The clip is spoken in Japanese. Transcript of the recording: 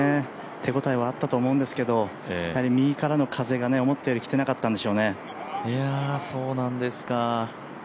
手応えはあったと思うんですけど、やはり右からの風が思ったより来てなかったんでしょうね。